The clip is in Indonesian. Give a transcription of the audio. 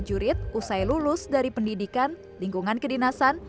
para jurid usai lulus dari pendidikan lingkungan kedinasan